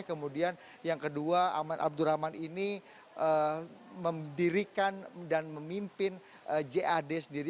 kemudian yang kedua aman abdurrahman ini membirikan dan memimpin jad sendiri